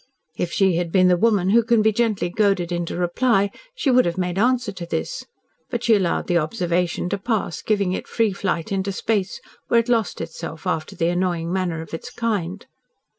If she had been the woman who can be gently goaded into reply, she would have made answer to this. But she allowed the observation to pass, giving it free flight into space, where it lost itself after the annoying manner of its kind.